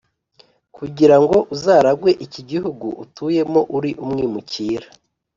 Kugira ngo uzaragwe iki gihugu utuyemo uri umwimukira